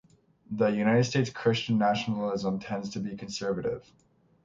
In the United States, Christian nationalism tends to be conservative.